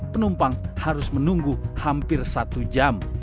penumpang harus menunggu hampir satu jam